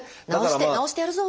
治してやるぞ！